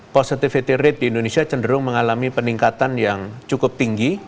positivity rate di indonesia cenderung mengalami peningkatan yang cukup tinggi